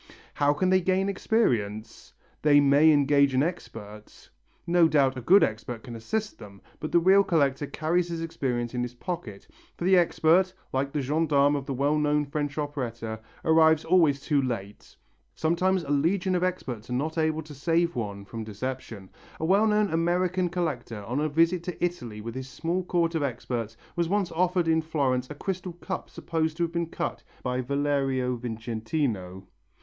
How can they gain experience? They may engage an expert. No doubt a good expert can assist them, but the real collector carries his experience in his pocket, for the expert, like the gendarmes of the well known French operetta, arrives always too late. Sometimes a legion of experts are not able to save one from deception. A well known American collector on a visit to Italy with his small court of experts was once offered in Florence a crystal cup supposed to have been cut by Valerio Vicentino.